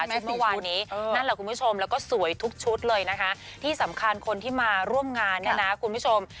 เมื่อวานนี้นั่นแหละคุณผู้ชมแล้วก็สวยทุกชุดเลยนะคะที่สำคัญคนที่มาร่วมงานเนี่ยนะคุณผู้ชม